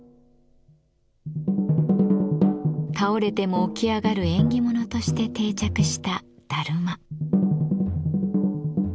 倒れても起き上がる縁起物として定着したダルマ。